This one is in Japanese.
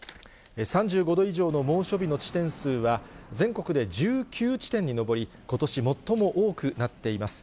３５度以上の猛暑日の地点数は、全国で１９地点に上り、ことし最も多くなっています。